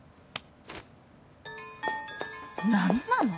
何なの？